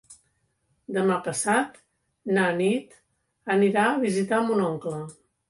Demà passat na Nit anirà a visitar mon oncle.